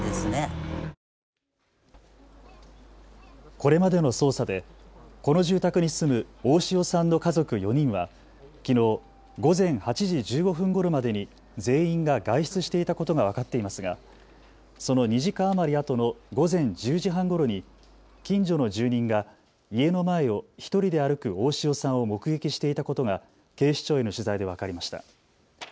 これまでの捜査でこの住宅に住む大塩さんの家族４人はきのう午前８時１５分ごろまでに全員が外出していたことが分かっていますがその２時間余りあとの午前１０時半ごろに近所の住人が家の前を１人で歩く大塩さんを目撃していたことが警視庁への取材で分かりました。